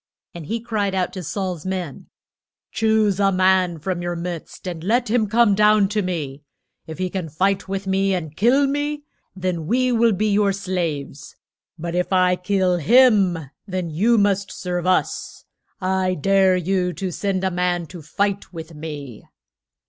And he cried out to Saul's men, Choose a man from your midst and let him come down to me. If he can fight with me and kill me, then we will be your slaves. But if I kill him then you must serve us. I dare you to send a man to fight with me.